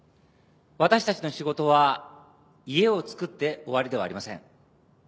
私たちの仕事は家をつくって終わりではありません。